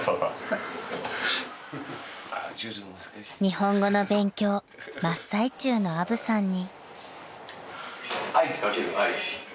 ［日本語の勉強真っ最中のアブさんに］